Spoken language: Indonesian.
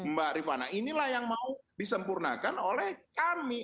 mbak rifana inilah yang mau disempurnakan oleh kami